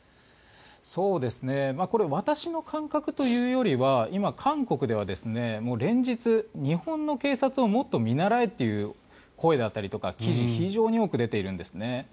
私の感覚というよりは今、韓国では連日、日本の警察をもっと見習えという声だったりとか記事が非常に多く出ているんですね。